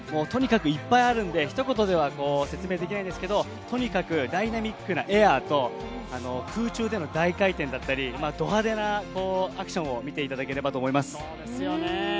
いっぱいあるんで、ひと言では説明できないですが、とにかくダイナミックなエアと空中での大回転だったり、ど派手なアクションを見ていただければと思います。